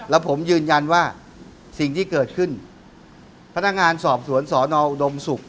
แล้วผมยืนยันว่าสิ่งที่เกิดขึ้นพนักงานสอบสวนสอนออุดมศุกร์